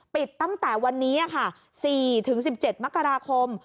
ปิดตั้งแต่วันนี้ค่ะ๔๑๗มกราคม